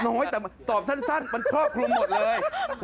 น้อยแต่ตอบสั้นมันครอบคลุมหมดเลย